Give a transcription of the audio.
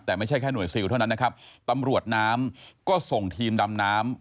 แต่ไม่ใช่แค่หน่วยซิลเท่านั้นนะครับตำรวจน้ำก็ส่งทีมดำน้ำ